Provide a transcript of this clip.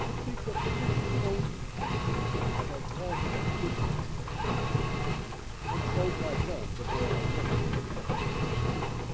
I speak of fishing only now, for I had long felt differently about fowling, and sold my gun before I went to the woods.